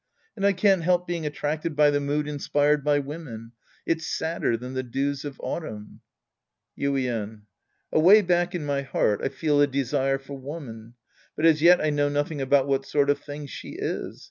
And I can't help being attracted by the mood inspired by women. It's sadder than the dews of autumn. Yiiien. Away back in my heart, I feel a desire for woman. But as yet I know nothing about what sort of thing she is.